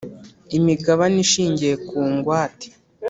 Imigabane ishingiye ku ngwate